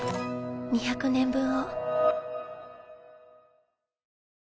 ２００年分を。